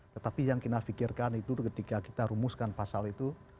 tetapi yang kita pikirkan itu ketika kita rumuskan pasal itu